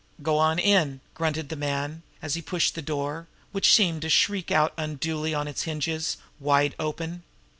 "Go on in!" grunted the man, as he pushed the door which seemed to shriek out unduly on its hinges wide open.